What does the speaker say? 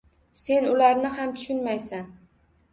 Sen ularni ham tushunmaysan.